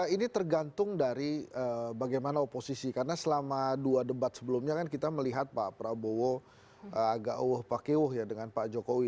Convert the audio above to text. ini tergantung dari bagaimana oposisi karena selama dua debat sebelumnya kan kita melihat pak prabowo agak uuh pakewo ya dengan pak jokowi